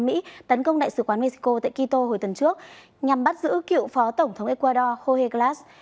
mỹ tấn công đại sứ quán mexico tại quito hồi tuần trước nhằm bắt giữ cựu phó tổng thống ecuador jorge glass